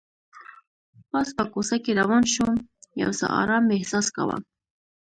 پاس په کوڅه کې روان شوم، یو څه ارام مې احساس کاوه.